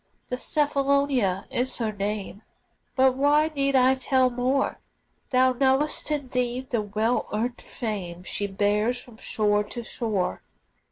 The Cephalonia is her name But why need I tell more? Thou knowest indeed the well earned fame She bears from shore to shore.